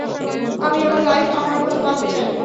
আমি আমার লাইফ আমার মতো বাঁচতে চাই।